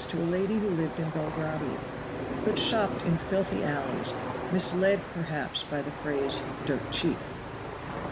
to a lady who lived in Belgravia, but shopped in filthy alleys, misled perhaps by the phrase "dirt cheap."